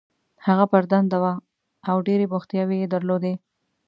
هغه پر دنده وه او ډېرې بوختیاوې یې درلودې.